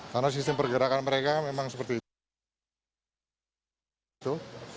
karena sistem pergerakan mereka memang seperti itu